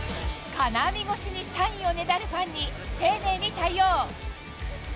金網越しにサインをねだるファンに、丁寧に対応。